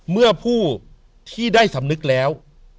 เมื่อผู้ที่ได้สำนึกแล้ว